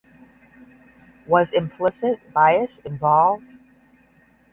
Was implicit bias involved?